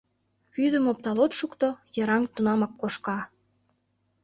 Вӱдым оптал от шукто, йыраҥ тунамак кошка.